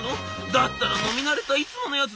だったら飲み慣れたいつものやつでいいわ。